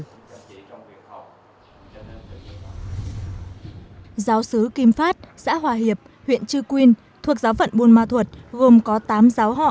giáo sứ kim phát xã hòa hiệp huyện chư quyên thuộc giáo phận buôn ma thuật gồm có tám giáo họ